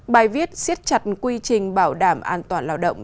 bài viết siết chặt quy trình bảo đảm an toàn lao động